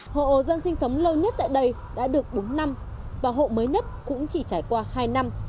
hộ dân sinh sống lâu nhất tại đây đã được bốn năm và hộ mới nhất cũng chỉ trải qua hai năm